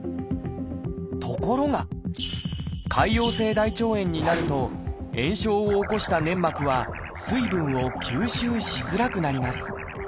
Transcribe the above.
ところが潰瘍性大腸炎になると炎症を起こした粘膜は水分を吸収しづらくなります。